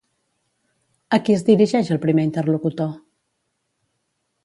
A qui es dirigeix el primer interlocutor?